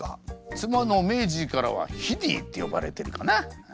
妻のメージィーからはヒディーって呼ばれてるかな。